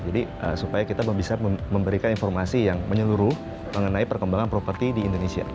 jadi supaya kita bisa memberikan informasi yang menyeluruh mengenai perkembangan properti di indonesia